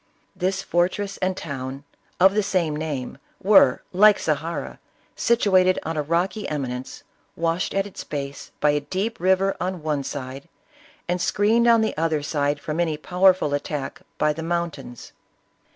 This fortress and town, of the same name, were, like Zahara, situated on a rocky emi nence, washed at its base by a deep river on one side, and screened on the other side from any powerful at tack by the mountains.